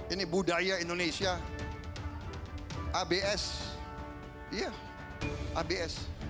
ini budaya indonesia abs abs